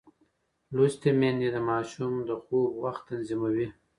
لوستې میندې د ماشوم د خوب وخت تنظیموي.